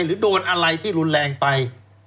หรือโดนอะไรที่รุนแรงไป